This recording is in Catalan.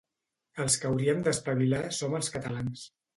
Els que hauríem d'espavilar som els catalans.